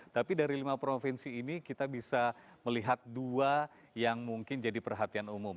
tapi dari lima provinsi ini kita bisa melihat dua yang mungkin jadi perhatian umum